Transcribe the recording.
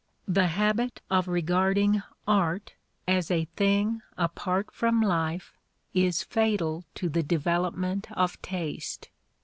The habit of regarding "art" as a thing apart from life is fatal to the development of taste.